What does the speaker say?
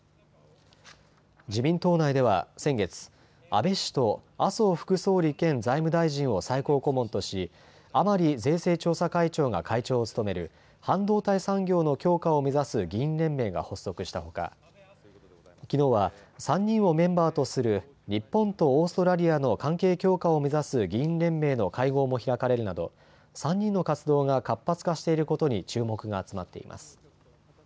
自民党内では先月、安倍氏と麻生副総理兼財務大臣を最高顧問とし甘利税制調査会長が会長を務める半導体産業の強化を目指す議員連盟が発足したほかきのうは３人をメンバーとする日本とオーストラリアの関係強化を目指す議員連盟の会合も開かれるなど３人の活動が活発化していることに注目が集まっています。